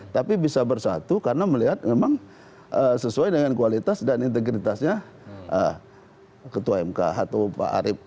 tapi bisa bersatu karena melihat memang sesuai dengan kualitas dan integritasnya ketua mk atau pak arief